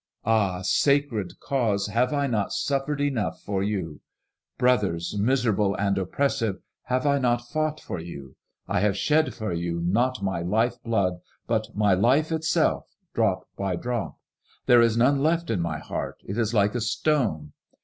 Ah I sacred cause, have I not suffered enough for you 7 Brothers, miserable and oppressed, have I not fought for you ? I have shed for you, not my lifeblood. but my life itself, drop by drop. There is none left in my heart; it is like a stone.